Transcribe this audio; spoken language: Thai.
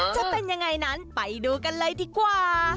จะเป็นยังไงนั้นไปดูกันเลยดีกว่า